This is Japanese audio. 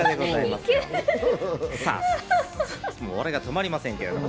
笑いが止まりませんけれども。